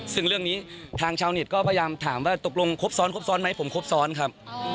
ซึ่งเรื่องนี้ทางชาวเน็ตก็พยายามถามว่าตกลงครบซ้อนครบซ้อนไหมผมครบซ้อนครับ